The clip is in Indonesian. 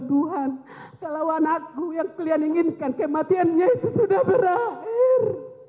tuhan kalau anakku yang kalian inginkan kematiannya itu sudah berakhir